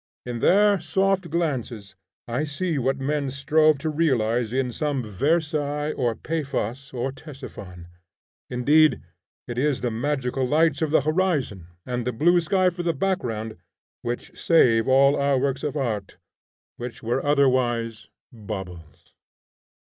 In their soft glances I see what men strove to realize in some Versailles, or Paphos, or Ctesiphon. Indeed, it is the magical lights of the horizon and the blue sky for the background which save all our works of art, which were otherwise bawbles.